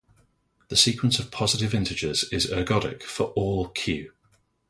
The sequence of positive integers is ergodic for all "q".